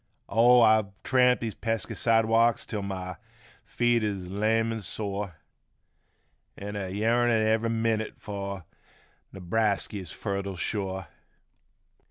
Oh I've tramped these pesky sidewalks till my feet is lame an' sore, An' a yearnin' ever' minute fur Newbrasky's fertile shore